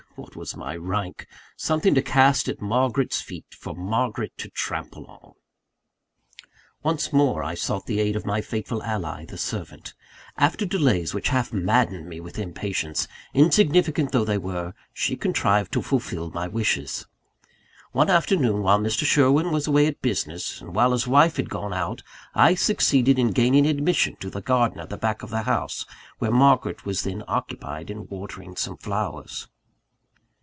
What was my rank? Something to cast at Margaret's feet, for Margaret to trample on! Once more I sought the aid of my faithful ally, the servant. After delays which half maddened me with impatience, insignificant though they were, she contrived to fulfil my wishes. One afternoon, while Mr. Sherwin was away at business, and while his wife had gone out, I succeeded in gaining admission to the garden at the back of the house, where Margaret was then occupied in watering some flowers.